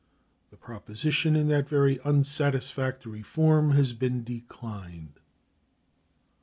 The proposition, in that very unsatisfactory form, has been declined.